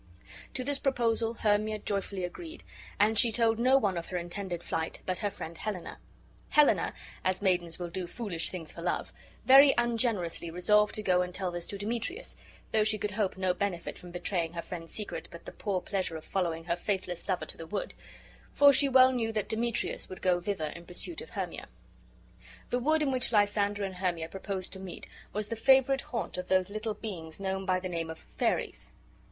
To this proposal Hermia joyfully agreed; and she told no one of her intended flight but her friend Helena. Helena (as maidens will do foolish things for love) very ungenerously resolved to go and tell this to Demetrius, though she could hope no benefit from betraying her friend's secret but the poor pleasure of following her faithless lover to the wood; for she well knew that Demetrius would go thither in pursuit of Hermia. The wood in which Lysander and Hermia proposed to meet was the favorite haunt of those little beings known by the name of "fairies."